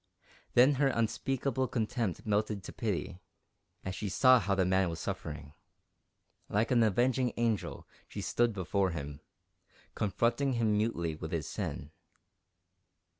Then her unspeakable contempt melted to pity, as she saw how the man was suffering. Like an avenging angel she stood before him, confronting him mutely with his sin.